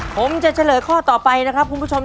ผมจะเฉลยข้อต่อไปนะครับคุณผู้ชม